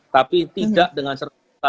tapi tidak dengan serta